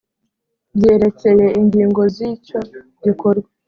byerekeye ingingo z icyo gikorwa